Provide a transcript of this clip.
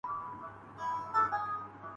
یہ تعداد ہزاروں میں ہے۔